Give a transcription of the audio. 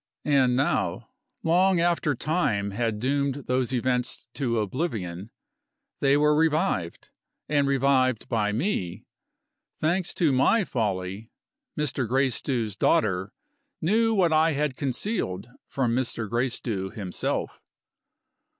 And now, long after time had doomed those events to oblivion, they were revived and revived by me. Thanks to my folly, Mr. Gracedieu's daughter knew what I had concealed from Mr. Gracedieu himself.